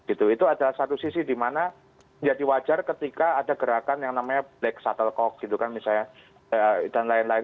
itu adalah satu sisi di mana jadi wajar ketika ada gerakan yang namanya black shuttlecock gitu kan misalnya dan lain lain